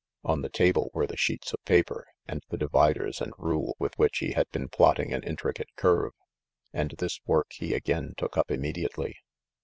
On the table were the sheets of paper and the dividers and rule with which he had been plotting an intricate curve, and this work he again took up immediately.